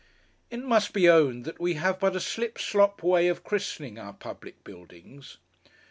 It must be owned that we have but a slip slop way of christening our public buildings.